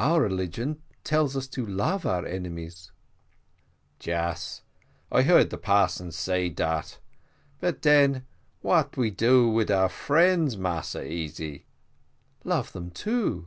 "Our religion tells us to love our enemies." "Yes, I heard parson say dat but den what we do with our friends, Massy Easy?" "Love them too."